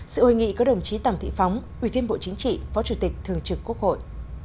sự hội nghị có đồng chí tòng thị phóng ủy viên bộ chính trị phó chủ tịch thường trực quốc hội